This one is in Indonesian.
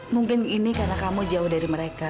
mungkin ini karena kamu jauh dari mereka